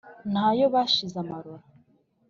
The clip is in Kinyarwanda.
Nta yo bashize amarora;